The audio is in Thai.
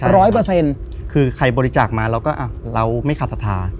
ร้อยเปอร์เซ็นต์คือใครบริจาคมาเราก็เราไม่ขาดศรัทธา